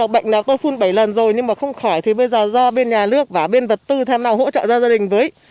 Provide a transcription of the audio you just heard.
bệnh là tôi phun bảy lần rồi nhưng mà không khỏi thì bây giờ do bên nhà nước và bên vật tư thế nào hỗ trợ gia đình với